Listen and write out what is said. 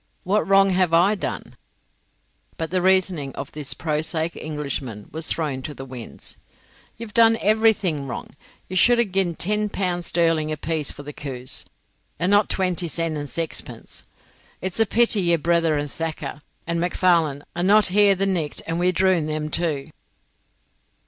What wrong have I done?" But the reasoning of the prosaic Englishman was thrown to the winds: "Ye've done everything wrong. Ye should hae gin ten pund sterling apiece for the coos, and not twenty sen and saxpence. It's a pity yer brither, and Thacker, and MacFarlane are no here the nicht, and we'd droon them, too."